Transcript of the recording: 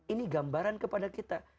ini gambaran kepada kita